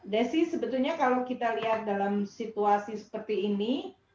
desi sebetulnya kalau kita lihat dalam situasi seperti ini